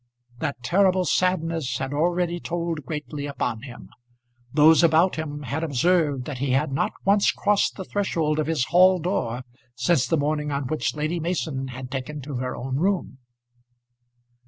That terrible sadness had already told greatly upon him. Those about him had observed that he had not once crossed the threshold of his hall door since the morning on which Lady Mason had taken to her own room.